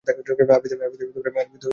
আরবীতে এই শব্দের অর্থ প্রশংসিত।